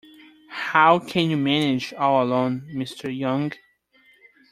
How can you manage all alone, Mr Young.